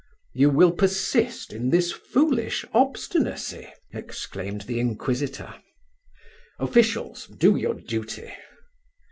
"You will persist in this foolish obstinacy?" exclaimed the inquisitor. "Officials, do your duty."